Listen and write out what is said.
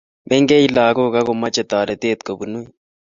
Mengech lagok akomache toretet kopunwech